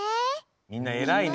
みんなえらいね。